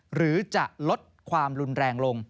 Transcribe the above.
หรือจะลดความรุนแรงลง